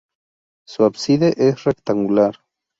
Su ábside es rectangular.